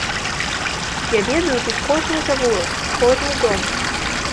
Я ведаю тут кожны завулак, кожны дом.